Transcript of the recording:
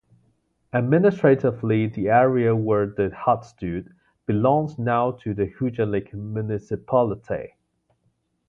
Administratively the area were the hut stood belongs now to the Kujalleq municipality.